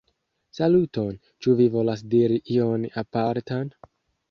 Saluton, ĉu vi volas diri ion apartan?